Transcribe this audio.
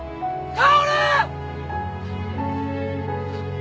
薫！